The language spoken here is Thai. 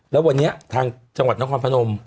แล้ววันนี้ทางจังหวัดนครพนม